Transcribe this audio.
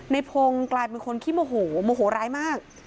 ในพงศ์กลายเป็นคนขี้โมโหโมโหร้ายมาก